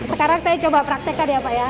sekarang saya coba praktekkan ya pak ya